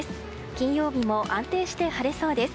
金曜日も安定して晴れそうです。